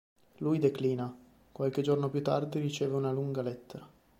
Lui declina; qualche giorno più tardi riceve una lunga lettera.